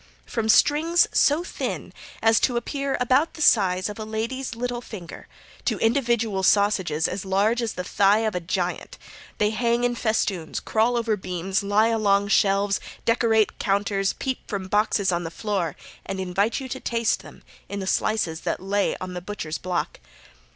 From strings so thin as to appear about the size of a lady's little finger, to individual sausages as large as the thigh of a giant, they hang in festoons, crawl over beams, lie along shelves, decorate counters, peep from boxes on the floor, and invite you to taste them in the slices that lay on the butcher's block.